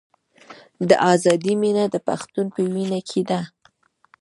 د ازادۍ مینه د پښتون په وینه کې ده.